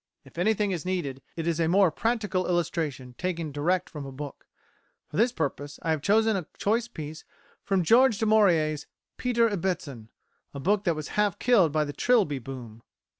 If anything is needed it is a more practical illustration taken direct from a book. For this purpose I have chosen a choice piece from George Du Maurier's "Peter Ibbetson," a book that was half killed by the Trilby boom.